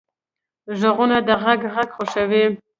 غوږونه د حق غږ خوښوي